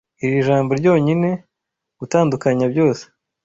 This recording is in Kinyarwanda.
Iri jambo ryonyine - gutandukanya Byose